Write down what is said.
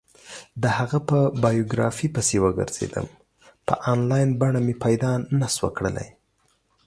د هغه په بایوګرافي پسې وگرځېدم، په انلاین بڼه مې پیدا نه شوه کړلی.